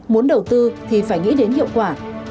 muốn đầu tư thì phải nghĩ đến hiệu quả